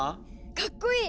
かっこいい！